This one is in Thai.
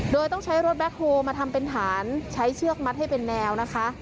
โดยต้องใช้รถแบ็คโฮลมาทำเป็นฐานใช้เชือกมัดให้เป็นแนวนะคะ